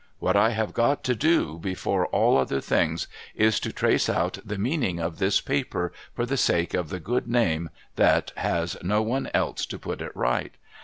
A\"hat I have got to do, before all otht r things, is to trace out the meaning of this paper, for the sake of the Good Name Uiat has no one else to put it right.